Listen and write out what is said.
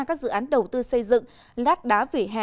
các dự án đầu tư xây dựng lát đá vỉa hè